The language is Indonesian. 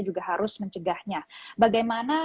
juga harus mencegahnya bagaimana